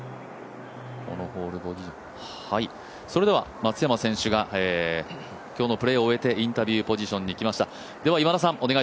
松山選手が今日のプレーを終えてインタビューポジションに来ました。